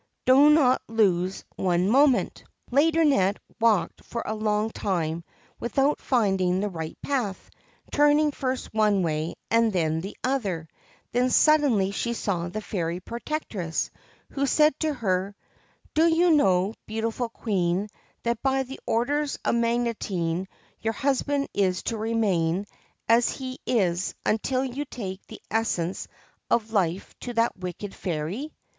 ' Do not lose one moment.' 142 THE GREEN SERPENT Laideronnette walked for a long time without finding the right path, turning first one way and then the other ; then suddenly she saw the Fairy Protectress, who said to her :' Do you know, beautiful Queen, that by the orders of Magotinc your husband is to remain as he is until you take the Essence of Life to that wicked fairy